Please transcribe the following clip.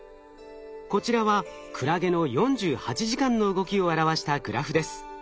こちらはクラゲの４８時間の動きを表したグラフです。